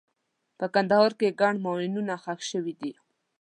په کندهار کې ګڼ ماینونه ښخ شوي دي.